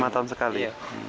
lima tahun sekali